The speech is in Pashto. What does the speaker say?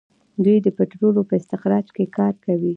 دوی د پټرولو په استخراج کې کار کوي.